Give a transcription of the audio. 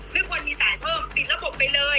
ไม่ควรมีจ่ายเพิ่มปิดระบบไปเลย